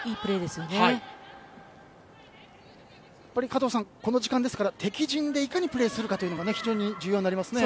加藤さん、この時間ですから敵陣でいかにプレーするかが非常に重要になりますね。